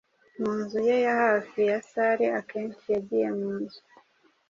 mu nzu ye ya hafi ya salle Akenshi yagiye munzu